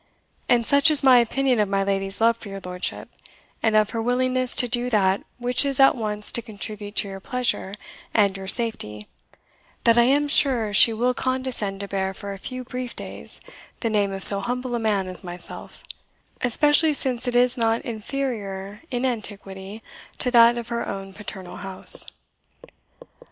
And such is my opinion of my lady's love for your lordship, and of her willingness to do that which is at once to contribute to your pleasure and your safety, that I am sure she will condescend to bear for a few brief days the name of so humble a man as myself, especially since it is not inferior in antiquity to that of her own paternal house."